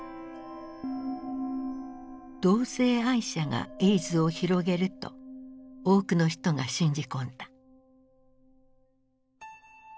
「同性愛者がエイズを広げる」と多くの人が信じ込んだ。